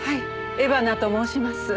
江花と申します。